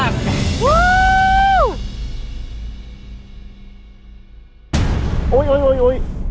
อ้าวหนู